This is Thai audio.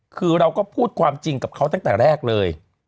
คือเราก็พูดความจริงกับเขาตั้งแต่แรกเลย